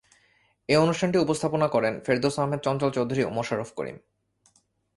এই অনুষ্ঠানটি উপস্থাপনা করেন ফেরদৌস আহমেদ, চঞ্চল চৌধুরী ও মোশাররফ করিম।